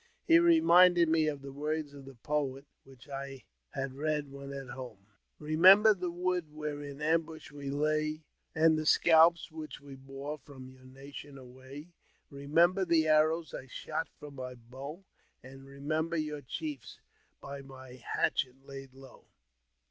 He reminded me of the words of the poet, which I .jiad read when at home : 260 AUTOBIOGBAPHY OF " Remember the wood where in ambush we lay, And the scalps which we bore from your nation away ; Remember the arrows I shot from my bow, And remember your chiefs by my hatchet laid low."